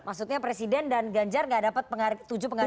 maksudnya presiden dan ganjar gak dapat tujuh penghargaan internasional